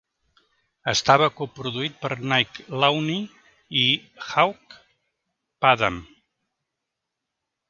Estava coproduït per Nick Launay i Hugh Padgham.